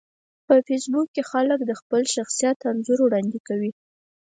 په فېسبوک کې خلک د خپل شخصیت ښه انځور وړاندې کوي